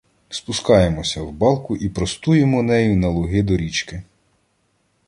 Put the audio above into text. Спускаємося в балку і простуємо нею на луги до річки.